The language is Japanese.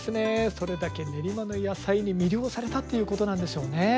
それだけ練馬の野菜に魅了されたっていうことなんでしょうね。